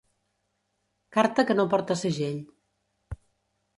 Carta que no porta segell.